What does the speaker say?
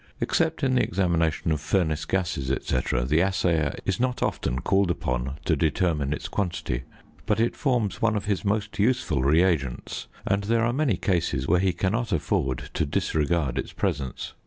Except in the examination of furnace gases, &c., the assayer is not often called upon to determine its quantity, but it forms one of his most useful reagents, and there are many cases where he cannot afford to disregard its presence.